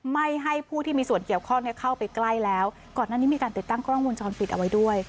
ไม่ให้ผู้ที่มีส่วนเกี่ยวข้องเข้าไปใกล้แล้วก่อนหน้านี้มีการติดตั้งกล้องวงจรปิดเอาไว้ด้วย